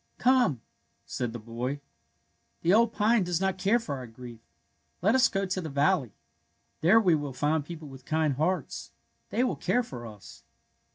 Come,'' said the boy. '^ The old pine does not care for our grief. Let us go to the valley. There we will find people with kind hearts. They will care for us."